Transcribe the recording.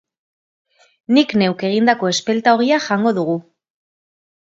Nik neuk egindako espelta ogia jango dugu.